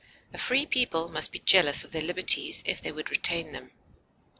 A free people must be jealous of their liberties if they would retain them.